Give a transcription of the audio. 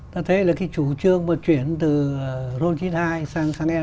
ta thấy là cái chủ trương mà chuyển từ ron chín mươi hai sang xăng e năm ấy